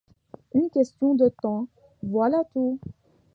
Une question de temps, voilà tout.